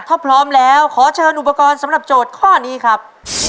ถ้าพร้อมแล้วขอเชิญอุปกรณ์สำหรับโจทย์ข้อนี้ครับ